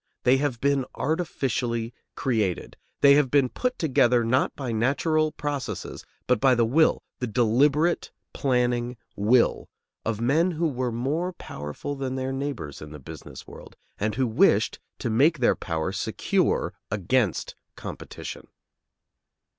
They have been artificially created; they have been put together, not by natural processes, but by the will, the deliberate planning will, of men who were more powerful than their neighbors in the business world, and who wished to make their power secure against competition.